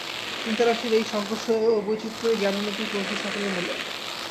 চিন্তারাশির এই সংঘর্ষ ও বৈচিত্র্যই জ্ঞান উন্নতি প্রভৃতি সকলের মূলে।